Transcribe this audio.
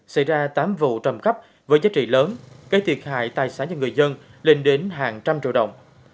xảy ra tám vụ trộm cấp với giá trị lớn cái thiệt hại tài sản cho người dân lên đến hàng trăm triệu đồng